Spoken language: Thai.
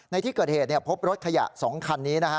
ในที่เกิดเหตุพบรถขยะ๒คันนี้นะฮะ